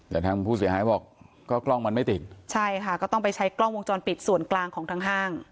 แต่ทางผู้เสียหายบอกก็กล้องมันไม่ติดใช่ค่ะก็ต้องไปใช้กล้องวงจรปิดส่วนกลางของทางห้าง